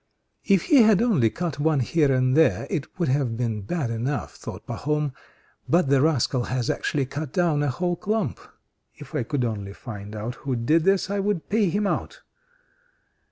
"If he had only cut one here and there it would have been bad enough," thought Pahom, "but the rascal has actually cut down a whole clump. If I could only find out who did this, I would pay him out."